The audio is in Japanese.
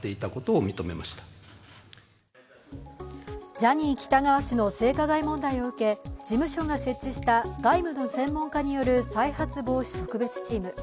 ジャニー喜多川氏の性加害問題を受け事務所が設置した外部の専門家による再発防止特別チーム。